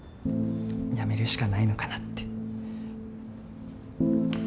やめるしかないのかなって。